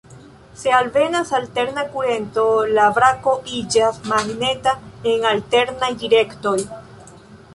Se alvenas alterna kurento, la brako iĝas magneta en alternaj direktoj.